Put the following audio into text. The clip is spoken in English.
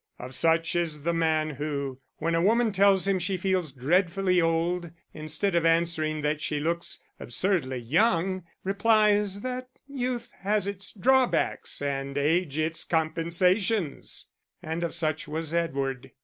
Of such is the man who, when a woman tells him she feels dreadfully old, instead of answering that she looks absurdly young, replies that youth has its drawbacks and age its compensations! And of such was Edward.